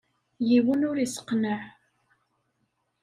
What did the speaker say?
Yiwen ur isseqneɛ.